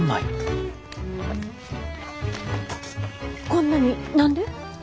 こんなに何で？